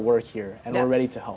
maka saya ingin mereka tahu